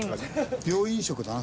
病院食だな。